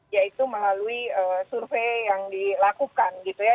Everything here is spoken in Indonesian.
yaitu melalui survei yang dilakukan gitu ya